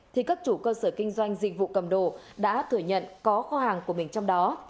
thì các chủ cơ sở kinh doanh dịch vụ cầm đồ đã thừa nhận có kho hàng của mình trong đó